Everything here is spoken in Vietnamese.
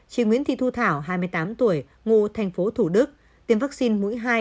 chị nguyễn thị thu thảo hai mươi tám tuổi ngụ thành phố thủ đức tiêm vaccine mũi hai